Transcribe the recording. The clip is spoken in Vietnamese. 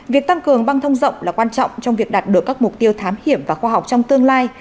việc tăng cường băng thông rộng là quan trọng trong việc đạt được các mục tiêu thám hiểm và khoa học trong tương lai